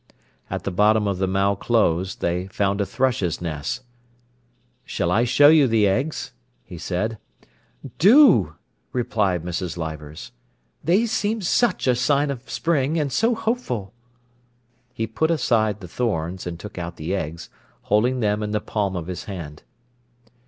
At the bottom of the Mow Close they found a thrush's nest. "Shall I show you the eggs?" he said. "Do!" replied Mrs. Leivers. "They seem such a sign of spring, and so hopeful." He put aside the thorns, and took out the eggs, holding them in the palm of his hand.